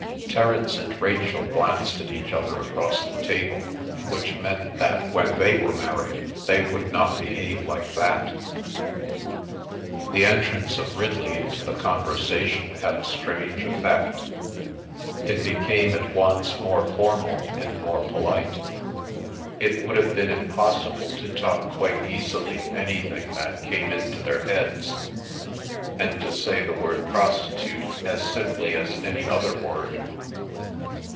Terence and Rachel glanced at each other across the table, which meant that when they were married they would not behave like that. The entrance of Ridley into the conversation had a strange effect. It became at once more formal and more polite. It would have been impossible to talk quite easily of anything that came into their heads, and to say the word prostitute as simply as any other word.